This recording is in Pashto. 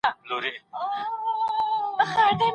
منځګړي کله د تفريق حق پيدا کوي؟